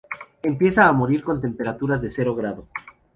Empieza a morir con temperaturas de cero grado.